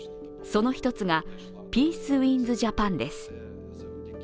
その１つがピースウィンズ・ジャパンです。